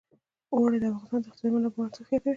اوړي د افغانستان د اقتصادي منابعو ارزښت زیاتوي.